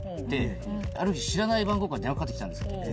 ある日知らない番号から電話かかって来たんですって。